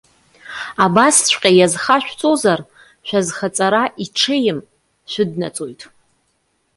Абасҵәҟьа иазхашәҵозар, шәазхаҵара, иҽеим шәыднаҵоит.